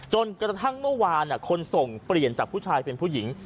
จนกระทั่งเมื่อวานคนส่งเปลี่ยนจากผู้ชายเป็นผู้หญิง